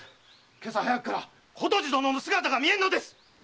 今朝早くから琴路殿の姿が見えんのです！